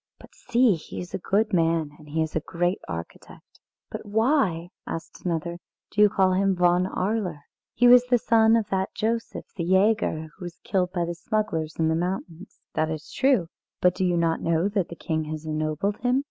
But see, he is a good man, and he is a great architect." "But why," asked another, "do you call him Von Arler? He was the son of that Joseph the Jäger who was killed by the smugglers in the mountains." "That is true. But do you not know that the king has ennobled him?